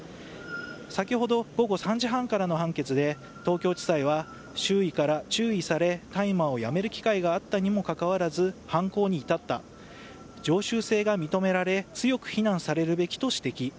先ほど午後３時半からの判決で東京地裁は周囲から注意され大麻をやめる機会があったにもかかわらず犯行に至った銃修正が認められ強く非難されるべきと指摘。